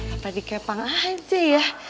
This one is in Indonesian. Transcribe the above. apa dikepang aja ya